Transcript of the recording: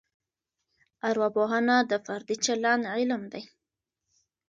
ارواپوهنه د فردي چلند علم دی.